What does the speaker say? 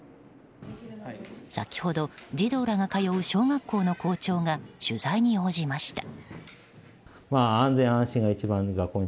先ほど児童らが通う小学校の校長が取材に応じました。